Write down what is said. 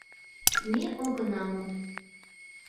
— Ме огына мод!